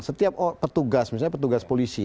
setiap petugas misalnya petugas polisi